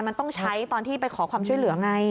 มันต้องใช้ตอนที่ไปขอความช่วยเหลือไง